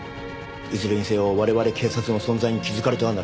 いずれにせよ我々警察の存在に気づかれてはならない。